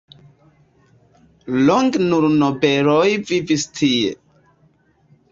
Longe nur nobeloj vivis tie.